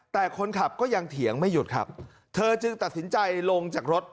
แต่คนขับก็ยังเถียงไม่หยุดครับเธอจึงตัดสินใจลงจากรถ